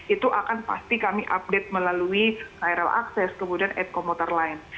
itu akan pasti kami update melalui krl akses kemudian at komuter lain